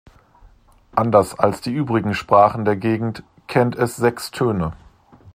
Anders als die übrigen Sprachen der Gegend kennt es sechs Töne.